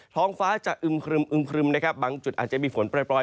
ท้องฟ้าจะอึมครึมบางจุดอาจจะมีฝนปล่อย